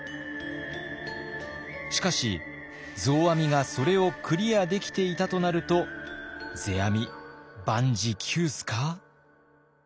しかし増阿弥がそれをクリアできていたとなると世阿弥万事休すか？